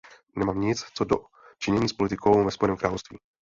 Nemám nic co do činění s politikou ve Spojeném království.